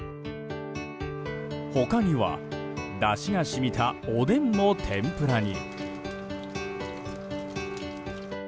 他には、だしが染みたおでんも天ぷらに。